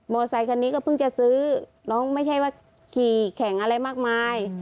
ไซคันนี้ก็เพิ่งจะซื้อน้องไม่ใช่ว่าขี่แข่งอะไรมากมาย